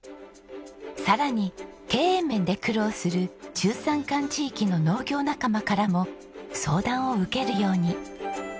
さらに経営面で苦労する中山間地域の農業仲間からも相談を受けるように。